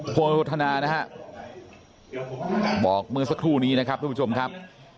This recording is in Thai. โพโรธนานะฮะบอกเมื่อสักครู่นี้นะครับทุกผู้ชมครับ